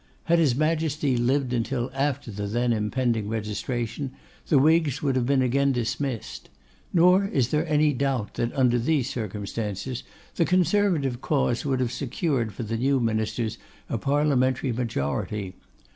Had his Majesty lived until after the then impending registration, the Whigs would have been again dismissed. Nor is there any doubt that, under these circumstances, the Conservative Cause would have secured for the new ministers a parliamentary majority.